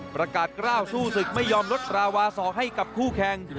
ประกาศกล้าวสู้ศึกไม่ยอมลดราวาสอให้กับคู่แข่ง